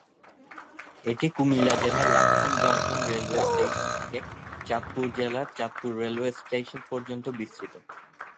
এটি কুমিল্লা জেলার Laksam junction railway station থেকে চাঁদপুর জেলার চাঁদপুর রেলওয়ে স্টেশন পর্যন্ত বিস্তৃত।